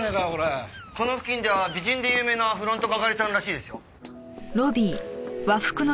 この付近では美人で有名なフロント係さんらしいですよ。